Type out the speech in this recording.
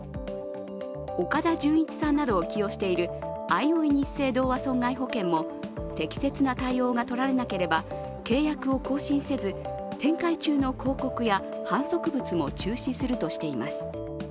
岡田純一さんなどを起用しているあいおいニッセイ同和損害保険も適切な対応がとられなければ、契約を更新せず展開中の広告や販促物も中止するとしています